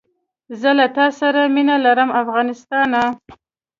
زه له تاسره مینه لرم افغانستانه